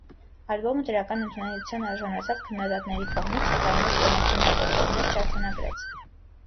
Ալբոմը դրական ընդունելության արժանացավ քննադատների կողմից, սական մեծ կոմերցիոն հաջողություններ չարձանագրեց։